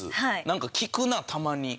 なんか聞くなたまに。